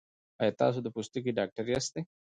ایا تاسو د پوستکي ډاکټر یاست؟